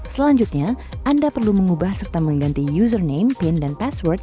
selanjutnya anda perlu mengubah serta mengganti username pin dan password